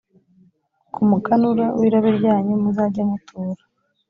ku muganura w irobe ryanyu muzajye mutura